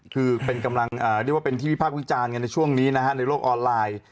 คือเป็นกำลังเรียกว่าเป็นที่วิพากษ์วิจารณ์กันในช่วงนี้นะฮะในโลกออนไลน์